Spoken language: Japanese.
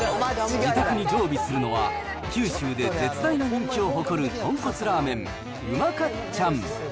自宅に常備するのは、九州で絶大な人気を誇る豚骨ラーメン、うまかっちゃん。